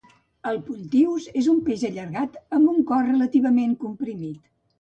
El puntius és un peix allargat amb un cos relativament comprimit.